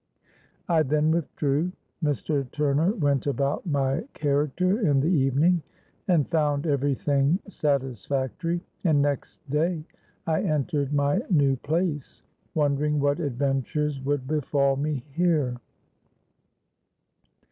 I then withdrew. Mr. Turner went about my character in the evening, and found every thing satisfactory; and next day I entered my new place, wondering what adventures would befal me here.